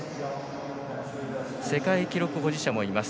世界記録保持者もいます。